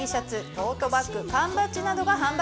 トートバッグ缶バッジなどが販売されます。